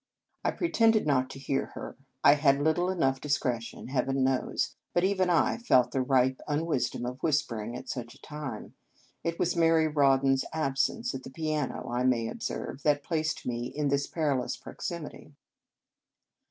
I pretended not to hear her. I had little enough discretion, Heaven knows, but even I felt the ripe unwis dom of whispering at such a time. It was Mary Rawdon s absence, at the piano, I may observe, that placed me in this perilous proximity.